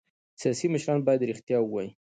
سیاسي مشران باید رښتیا ووايي